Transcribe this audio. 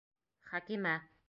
Хәкимә